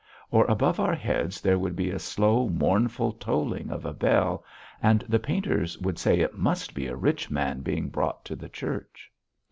or above our heads there would be the slow, mournful tolling of a bell, and the painters would say it must be a rich man being brought to the church....